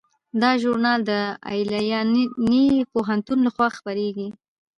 دا ژورنال د ایلینای پوهنتون لخوا خپریږي.